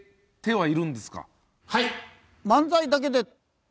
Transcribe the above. はい。